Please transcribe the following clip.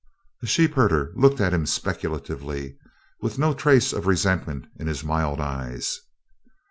The sheepherder looked at him speculatively, with no trace of resentment in his mild eyes.